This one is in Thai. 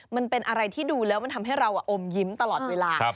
มันเป็นอะไรที่ดูแล้วมันทำให้เราอมยิ้มตลอดเวลา